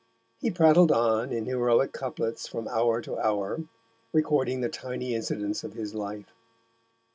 He prattled on in heroic couplets from hour to hour, recording the tiny incidents of his life.